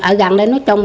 ở gần đây nó trông